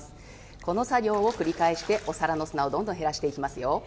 この作業を繰り返して、お皿の砂をどんどん減らしていきますよ。